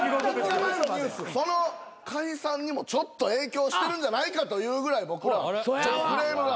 その解散にもちょっと影響してるんじゃないかというぐらい僕らクレームが。